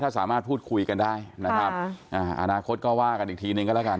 ถ้าสามารถพูดคุยกันได้นะครับอนาคตก็ว่ากันอีกทีนึงก็แล้วกัน